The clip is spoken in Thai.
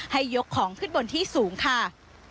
ยกของขึ้นบนที่สูงค่ะ